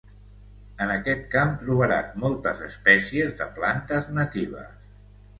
En aquest camp trobaràs moltes espècies de plantes natives.